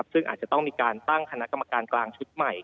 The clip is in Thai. ซึ่งอาจจะต้องมีการตั้งคณะกรรมการกลางชุดใหม่